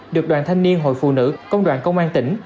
được đoàn thanh niên hội phụ nữ công đoàn công an tỉnh